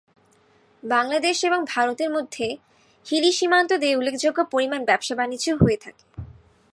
বাংলাদেশ এবং ভারতের মধ্যে হিলি সীমান্ত দিয়ে উল্লেখযোগ্য পরিমাণ ব্যবসা-বাণিজ্য হয়ে থাকে।